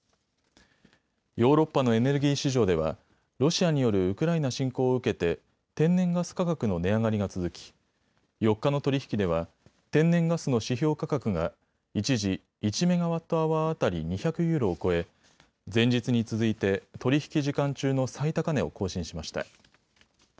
ヨーロッパのエネルギー市場ではロシアによるウクライナ侵攻を受けて天然ガス価格の値上がりが続き４日の取り引きでは天然ガスの指標価格が一時、１メガワットアワー当たり２００ユーロを超え前日に続いて取り引き時間中の最高値を更新しました。